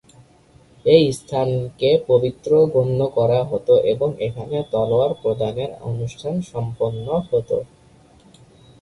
এই স্থানকে পবিত্র গণ্য করা হত এবং এখানে তলোয়ার প্রদানের অনুষ্ঠান সম্পন্ন হত।